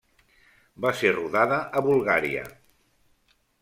Va ser rodada a Bulgària.